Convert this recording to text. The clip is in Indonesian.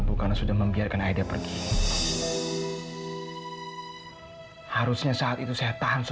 dokter sudah membenarkan saya untuk tinggal di rumah ini